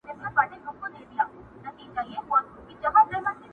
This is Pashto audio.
او چي غټ سي په ټولۍ کي د سیالانو!!